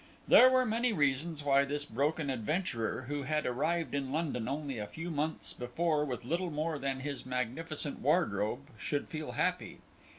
There were many reasons why this broken adventurer, who had arrived in London only a few months before with little more than his magnificent wardrobe, should feel happy.